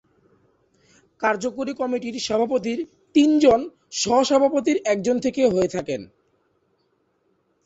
কার্যকরী কমিটির সভাপতি তিনজন সহ-সভাপতির একজন থেকে হয়ে থাকেন।